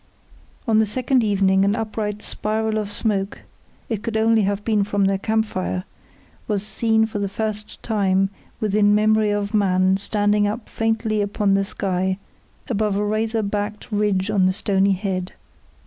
On the second evening an upright spiral of smoke (it could only have been from their camp fire) was seen for the first time within memory of man standing up faintly upon the sky above a razor backed ridge on the stony head.